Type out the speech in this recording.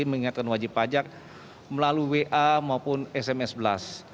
mengingatkan wajib pajak melalui wa maupun sms blast